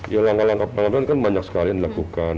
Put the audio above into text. ya langkah langkah pengaduan kan banyak sekali yang dilakukan